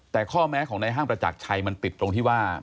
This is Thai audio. แต่ข้อแม้ของนายห้างประจักรชัยมันติดตรงที่ว่า